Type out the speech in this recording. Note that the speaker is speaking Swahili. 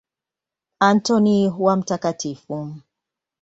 Antoni wa Mt.